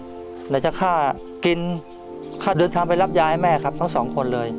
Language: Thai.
เนื่องจากค่ากินค่าเดือนทางไปรับยายแม่ซองคนเลย